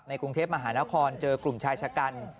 กรุงเทพมหานครเจอกลุ่มชายชะกัน